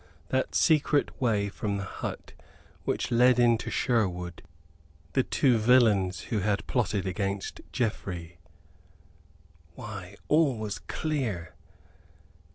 That secret way from the hut which led into Sherwood; the two villains who had plotted against Geoffrey why, all was clear!